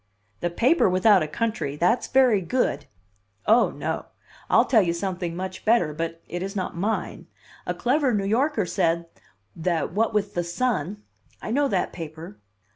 "The paper without a country! That's very good!" "Oh, no! I'll tell you something much better, but it is not mine. A clever New Yorker said that what with The Sun " "I know that paper."